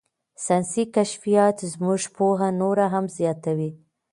ساینسي کشفیات زموږ پوهه نوره هم زیاتوي.